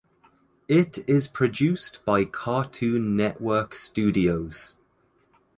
It is produced by Cartoon Network Studios.